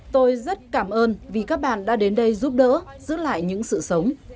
tôi rất cảm ơn vì các bạn đã đến đây giúp đỡ giữ lại những sự sống